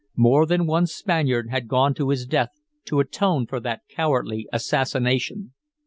More than one Spaniard had gone to his death to atone for that cowardly assassination.